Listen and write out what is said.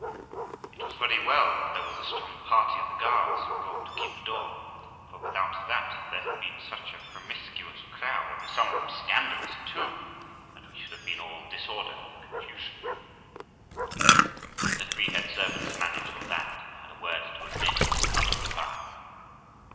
It was very well that there was a strong party of the guards brought to keep the door, for without that there had been such a promiscuous crowd, and some of them scandalous too, that we should have been all disorder and confusion; but the three head servants managed all that, and had a word to admit all the company by.